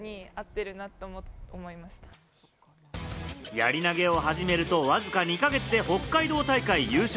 やり投げを始めると、わずか２か月で北海道大会優勝。